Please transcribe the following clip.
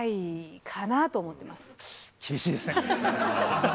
厳しいですね。